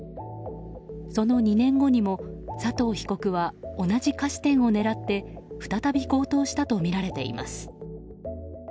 その２年後にも佐藤被告は同じ菓子店を狙って再び強盗したとみられています。